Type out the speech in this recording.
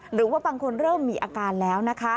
หรือว่าบางคนเริ่มมีอาการแล้วนะคะ